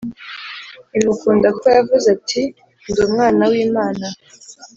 imukunda kuko yavuze ati Ndi Umwana w Imana